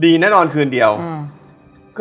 แน่นอนคืนเดียวอืม